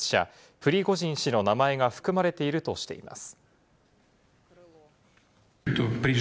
プリゴジン氏の名前が含まれているとしています。